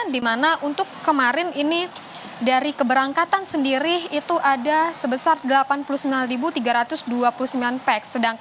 di mana untuk kemarin ini dari keberangkatan sendiri itu ada sebesar delapan puluh sembilan tiga ratus dua puluh sembilan pack